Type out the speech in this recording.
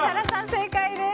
正解です。